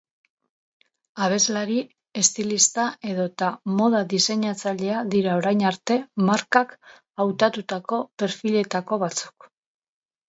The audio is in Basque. Abeslari, estilista edota moda diseinatzailea dira orain arte markak hautatutako perfiletako batzuk.